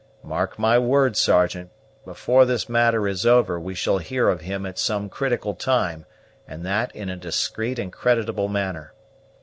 Mark my word, Sergeant, before this matter is over we shall hear of him at some critical time and that in a discreet and creditable manner.